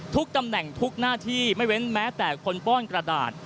ตำแหน่งทุกหน้าที่ไม่เว้นแม้แต่คนป้อนกระดาษ